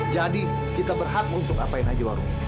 jadi kita berhak untuk apain aja warung